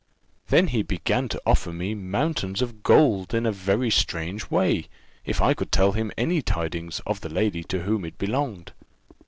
Then he began to offer me mountains of gold in a very strange way, if I could tell him any tidings of the lady to whom it belonged.